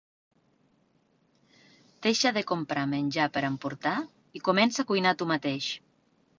Deixa de comprar menjar per emportar i comença a cuinar tu mateix!